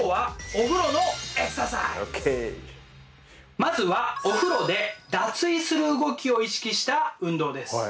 まずはお風呂で脱衣する動きを意識した運動です。